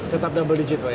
tetap double digit pak ya